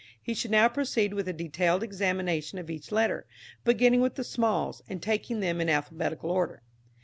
He should now proceed with a detailed examination of each letter, beginning with the smalls, and taking them in alphabetical order.